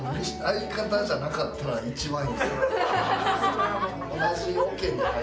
相方じゃなかったら一番いい。